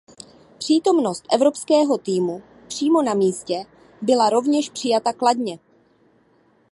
Přítomnost evropského týmu přímo na místě byla rovněž přijata kladně.